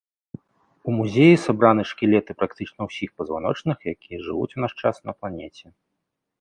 У музеі сабраны шкілеты практычна ўсіх пазваночных, якія жывуць у наш час на планеце.